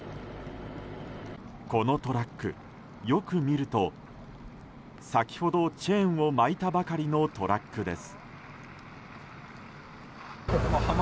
このトラック、よく見ると先ほど、チェーンを巻いたばかりのトラックです。